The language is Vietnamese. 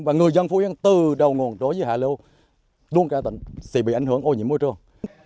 và người dân phú yên từ đầu nguồn đối với hạ lưu đuôn cả tỉnh sẽ bị ảnh hưởng ô nhiễm môi trường